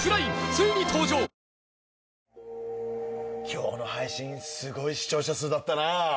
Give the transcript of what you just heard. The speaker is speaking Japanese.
今日の配信すごい視聴者数だったなぁ。